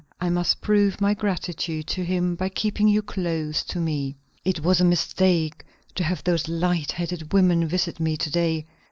I must prove my gratitude to him by keeping you close to me. It was a mistake to have those light headed women visit me to day.